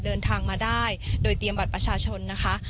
เดินทางมาได้โดยเตรียมบัตรประชาชนนะคะ